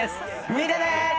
見てね！